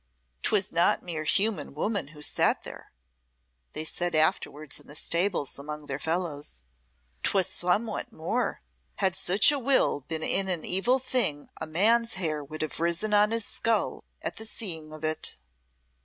"'Twas not mere human woman who sat there," they said afterwards in the stables among their fellows. "'Twas somewhat more. Had such a will been in an evil thing a man's hair would have risen on his skull at the seeing of it."